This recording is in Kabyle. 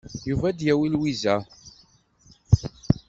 Yuba ad d-yawi Lwiza.